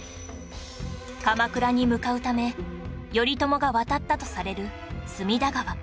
鎌倉に向かうため頼朝が渡ったとされる隅田川